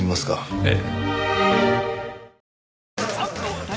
ええ。